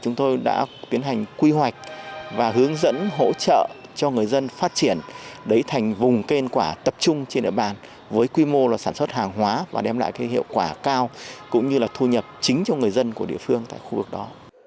chúng tôi đã tiến hành quy hoạch và hướng dẫn hỗ trợ cho người dân phát triển đấy thành vùng kết quả tập trung trên địa bàn với quy mô là sản xuất hàng hóa và đem lại hiệu quả cao cũng như là thu nhập chính cho người dân của địa phương tại khu vực đó